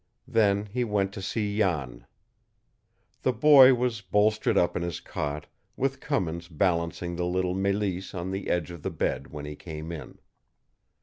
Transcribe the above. Then he went to see Jan. The boy was bolstered up in his cot, with Cummins balancing the little Mélisse on the edge of the bed when he came in.